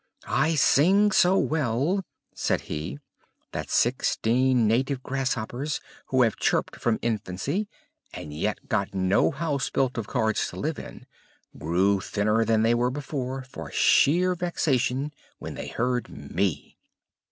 "I sing so well," said he, "that sixteen native grasshoppers who have chirped from infancy, and yet got no house built of cards to live in, grew thinner than they were before for sheer vexation when they heard me."